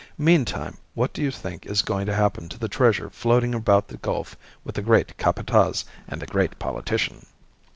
Meantime, what do you think is going to happen to the treasure floating about the gulf with the great Capataz and the great politician?"